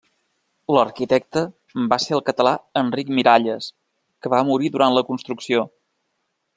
L'arquitecte va ser el català Enric Miralles, que va morir durant la construcció.